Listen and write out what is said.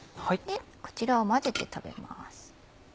こちらを混ぜて食べます。